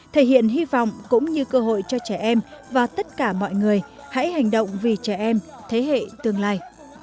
thể hiện hy vọng cũng như cơ hội cho trẻ em và tất cả mọi người hãy hành động vì trẻ em thế hệ tương lai